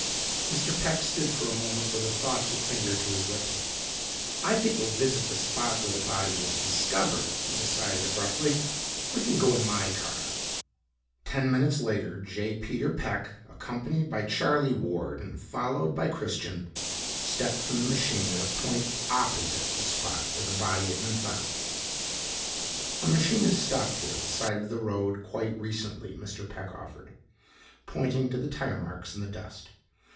Mr. Peck stood for a moment with a thoughtful finger to his lips. "I think we'll visit the spot where the body was discovered," he decided abruptly. "We can go in my car." Ten minutes later, J. Peter Peck, accompanied by Charlie Ward and followed by Christian, stepped from the machine at a point opposite the spot where the body had been found. "A machine has stopped here at the side of the road quite recently," Mr. Peck offered, pointing to the tire marks in the dust.